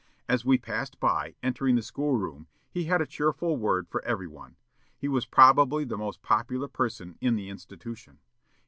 As we passed by, entering the school room, he had a cheerful word for every one. He was probably the most popular person in the institution.